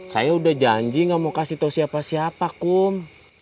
saya udah janji gak mau kasih tau siapa siapa kum